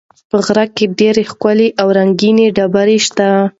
په غره کې ډېرې ښکلې او رنګینې ډبرې شته.